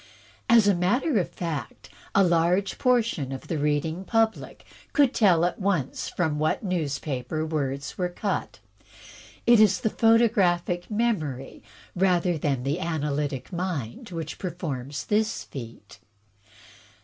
As a matter of fact, a large portion of the reading public could tell at once from what newspaper words were cut. It is the photographic memory rather than the analytic mind which performs this feat.